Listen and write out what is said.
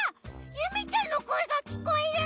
ゆめちゃんのこえがきこえる！